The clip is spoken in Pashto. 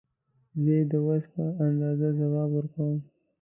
زه یې د وس په اندازه ځواب ورکوم.